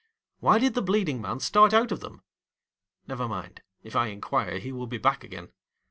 Why did the bleeding man start out of them..? Never mind ; if I inquire, he will be back again.